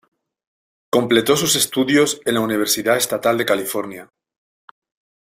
Completó sus estudios en la Universidad Estatal de California.